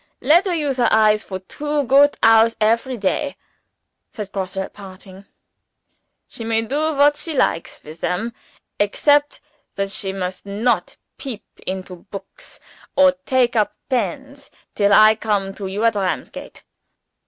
"Let her use her eyes for two goot hours every day," said Grosse, at parting. "She may do what she likes with them except that she must not peep into books, or take up pens, till I come to you at Ramsgate.